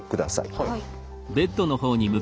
はい。